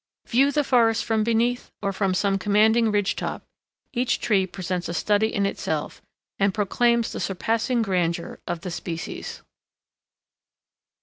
View the forest from beneath or from some commanding ridge top; each tree presents a study in itself, and proclaims the surpassing grandeur of the species.